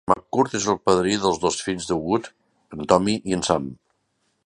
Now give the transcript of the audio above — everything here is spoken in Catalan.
McCourt és el padrí dels dos fills de Wood, en Tommy i en Sam.